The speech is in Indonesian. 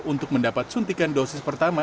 untuk mendapat suntikan dosis pertama